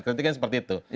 ketiknya seperti itu